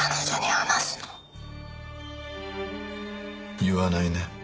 言わないね。